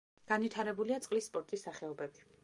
განვითარებულია წყლის სპორტის სახეობები.